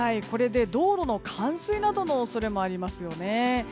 これで道路の冠水などの恐れもありますよね。